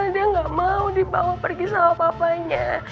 dia nggak mau dibawa pergi sama papanya